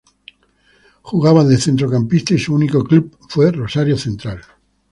Jugaba de centrocampista y su único club fue Rosario Central.